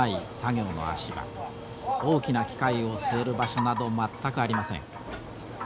大きな機械を据える場所などまったくありません。